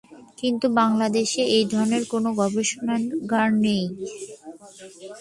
কিন্তু বাংলাদেশে এই ধরনের কোনো গবেষণাগার নেই।